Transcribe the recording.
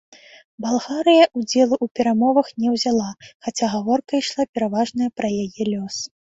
Балгарыя ўдзелу ў перамовах не ўзяла, хаця гаворка ішла пераважна пра яе лёс.